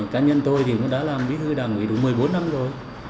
cá nhân tôi đã làm bí thư đàng nghỉ được một mươi bốn năm rồi